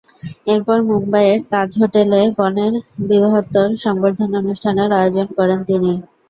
এরপর মুম্বাইয়ের তাজ হোটেলে বোনের বিবাহোত্তর সংবর্ধনা অনুষ্ঠানের আয়োজন করেন তিনি।